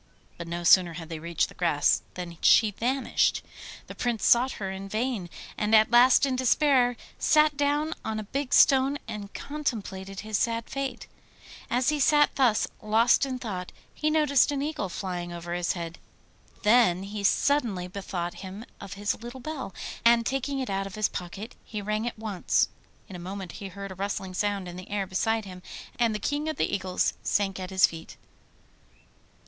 But no sooner had they reached the grass than she vanished. The Prince sought for her in vain, and at last in despair sat down on a big stone and contemplated his sad fate. As he sat thus lost in thought, he noticed an eagle flying over his head. Then he suddenly bethought him of his little bell, and taking it out of his pocket he rang it once. In a moment he heard a rustling sound in the air beside him, and the King of the Eagles sank at his feet.